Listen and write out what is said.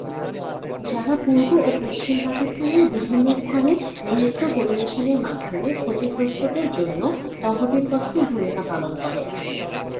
যারা পূর্ব ও পশ্চিম পাকিস্তানের বিভিন্ন স্থানে নৃত্য পরিবেশনের মাধ্যমে ক্ষতিগ্রস্তদের জন্য তহবিল গঠনে ভূমিকা পালন করে।